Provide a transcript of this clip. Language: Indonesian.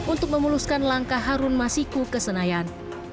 untuk memuluskan langkah harun masiku ke senayan